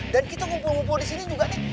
dan kita ngumpul ngumpul di sini juga nih